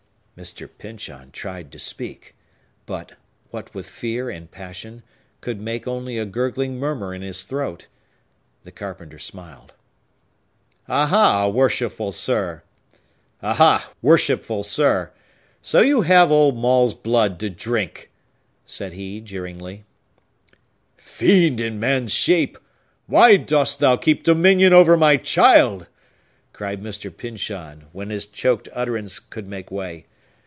Mr. Pyncheon tried to speak, but—what with fear and passion—could make only a gurgling murmur in his throat. The carpenter smiled. "Aha, worshipful sir!—so you have old Maule's blood to drink!" said he jeeringly. "Fiend in man's shape! why dost thou keep dominion over my child?" cried Mr. Pyncheon, when his choked utterance could make way.